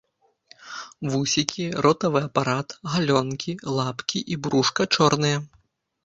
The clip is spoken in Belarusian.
Вусікі, ротавы апарат, галёнкі, лапкі і брушка чорныя.